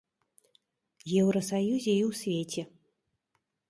Еўрасаюзе і ў свеце.